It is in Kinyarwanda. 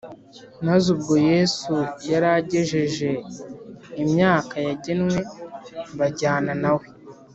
; maze ubwo Yesu yari agejeje imyaka yagenwe, bajyana nawe.